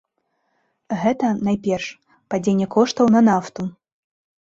Гэта, найперш, падзенне коштаў на нафту.